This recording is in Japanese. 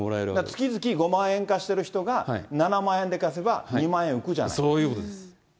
月々５万円貸してる人が７万円で貸せば、２万円浮くじゃないそういうことです。